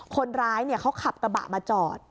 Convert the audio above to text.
คนร้ายเขาขับกระบะมาจอด